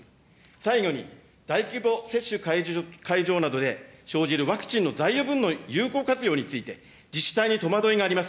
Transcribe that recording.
最後に大規模接種会場などで生じるワクチンの残余分の有効活用について、自治体に戸惑いがあります。